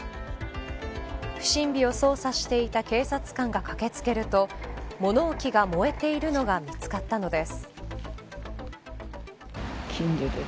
不審火を捜査していた警察官が駆け付けると物置きが燃えているのが見つかったのです。